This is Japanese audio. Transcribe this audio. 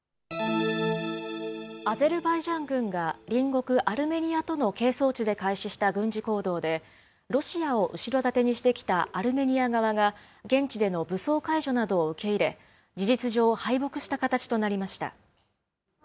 アゼルバイジャン軍が、隣国アルメニアとの係争地で開始した軍事行動で、ロシアを後ろ盾にしてきたアルメニア側が、現地での武装解除などを受け入れ、事実上、敗北した形となりました。